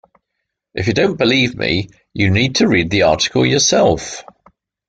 If you don't believe me, you need to read the article yourself